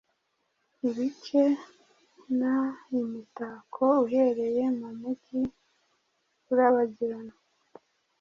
Ibice na imitakouhereye mumujyi urabagirana